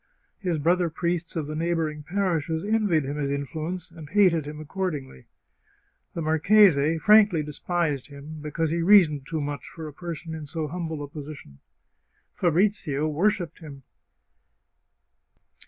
His brother priests of the neighbouring parishes envied him his influence, and hated him accordingly. The marchese frankly despised him, because he reasoned too much for a person in so humble a position. Fabrizio worshipped him.